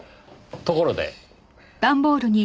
ところで。